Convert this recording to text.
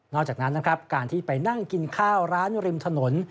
จากนั้นนะครับการที่ไปนั่งกินข้าวร้านริมถนน